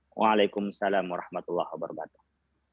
waalaikumsalam warahmatullahi wabarakatuh